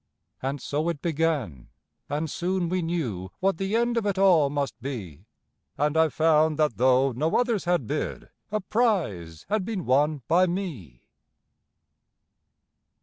And so it began; and soon we knew what the end of it all must be, And I found that though no others had bid, a prize had been won by me.